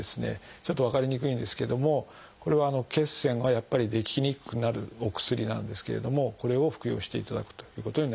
ちょっと分かりにくいんですけどもこれは血栓がやっぱり出来にくくなるお薬なんですけれどもこれを服用していただくということになります。